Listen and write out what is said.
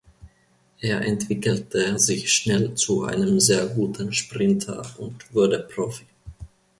Er entwickelte sich schnell zu einem sehr guten Sprinter und wurde Profi.